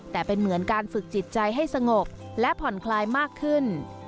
แต่เป็นเหมือนการฝึกจิตใจให้สงบและผ่อนคลายมากขึ้น